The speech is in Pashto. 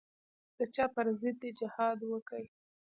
د چا پر ضد دې جهاد وکي.